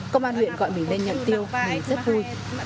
công an huyện gọi mình lên nhận tiêu này rất vui